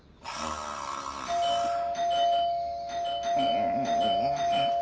うん？